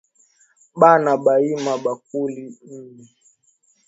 Bana baima bukali ju balitoka bila kulaka